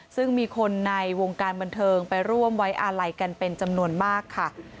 ซึ่งมีคนในวงการบันเทิงไปร่วมไว้อาลัยกันเป็นจำนวนมากค่ะ